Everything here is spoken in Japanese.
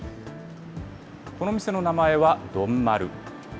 この店の名前は丼丸。